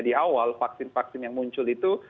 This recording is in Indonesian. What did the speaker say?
di awal vaksin vaksin yang muncul itu